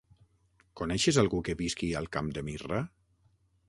Coneixes algú que visqui al Camp de Mirra?